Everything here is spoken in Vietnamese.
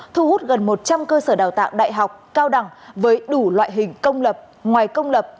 thu hút gần một trăm linh cơ sở đào tạo đại học cao đẳng với đủ loại hình công lập ngoài công lập